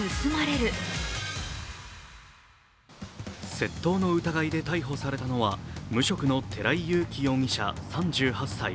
窃盗の疑いで逮捕されたのは無職の寺井勇気容疑者３８歳。